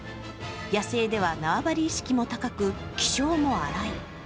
野生では縄張り意識も高く、気性も荒い。